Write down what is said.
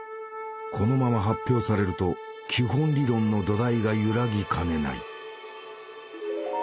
このまま発表されると「基本理論」の土台が揺らぎかねない。